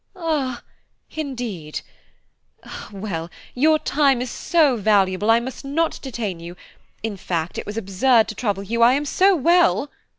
"Ah, indeed ! Well, your time is so valuable, I must not detain you–in fact it was absurd to trouble you, I am so well."